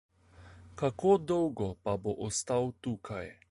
Kako dolgo pa bo ostal tukaj?